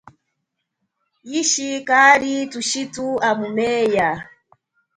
Yishi kali thushithu amumeya.